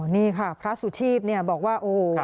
นี่ค่ะพระสุธิบนี่บอกว่า